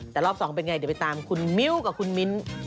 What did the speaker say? แต่รอบ๒เป็นไงเดี๋ยวไปตามคุณมิ้วกับคุณมิ้น